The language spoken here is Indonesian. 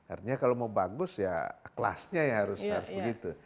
artinya kalau mau bagus ya kelasnya ya harus begitu